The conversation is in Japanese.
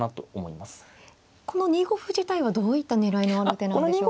この２五歩自体はどういった狙いのある手なんでしょうか。